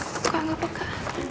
kok gak peka